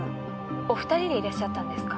お２人でいらっしゃったんですか？